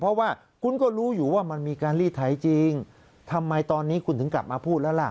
เพราะว่าคุณก็รู้อยู่ว่ามันมีการรีดไถจริงทำไมตอนนี้คุณถึงกลับมาพูดแล้วล่ะ